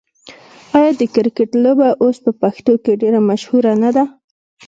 آیا د کرکټ لوبه اوس په پښتنو کې ډیره مشهوره نه ده؟